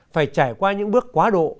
phải trải qua những bước quá độ